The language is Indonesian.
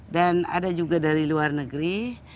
dan ada juga dari luar negeri